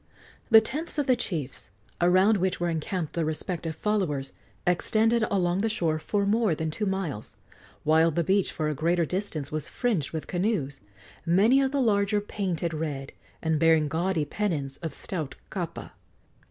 The tents of the chiefs, around which were encamped their respective followers, extended along the shore for more than two miles, while the beach for a greater distance was fringed with canoes, many of the larger painted red and bearing gaudy pennons of stout kapa.